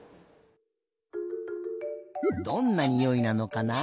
どんなにおいなのかな？